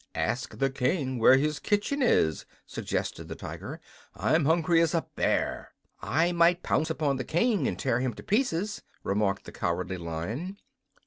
"Ask the King where his kitchen is," suggested the Tiger. "I'm hungry as a bear." "I might pounce upon the King and tear him in pieces," remarked the Cowardly Lion.